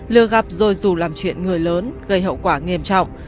lừa gặp rồi rủ làm chuyện người lớn gây hậu quả nghiêm trọng